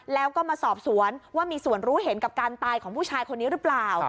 แล้วก็มาสอบสวนว่ามีส่วนรู้เห็นกับการตายของผู้ชายคนนี้หรือเปล่า